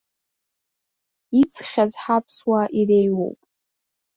Иӡхьаз ҳаԥсуаа иреиуоуп.